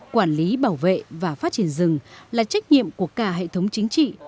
quản lý bảo vệ và phát triển rừng là trách nhiệm của cả hệ thống chính trị